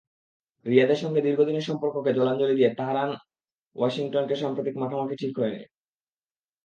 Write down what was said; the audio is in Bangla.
রিয়াদের সঙ্গে দীর্ঘদিনের সম্পর্ককে জলাঞ্জলি দিয়ে তেহরান-ওয়াশিংটন সাম্প্রতিক মাখামাখি ঠিক হয়নি।